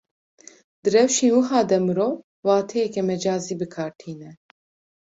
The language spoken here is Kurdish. Di rewşên wiha de mirov, wateyeke mecazî bi kar tîne